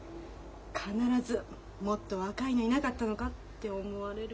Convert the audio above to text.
必ずもっと若いのいなかったのかって思われるよ。